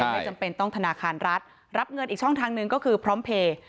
ไม่จำเป็นต้องธนาคารรัฐรับเงินอีกช่องทางหนึ่งก็คือพร้อมเพลย์